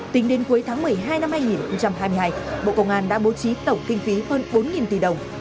tính đến cuối tháng một mươi hai năm hai nghìn hai mươi hai bộ công an đã bố trí tổng kinh phí hơn bốn tỷ đồng